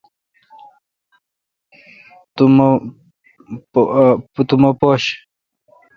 تو مہ پاݭہ۔